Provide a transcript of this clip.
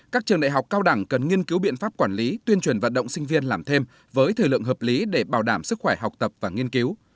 các trường đại học cao đẳng cần nghiên cứu biện pháp quản lý tuyên truyền vận động sinh viên làm thêm với thời lượng hợp lý để bảo đảm sức khỏe học tập và nghiên cứu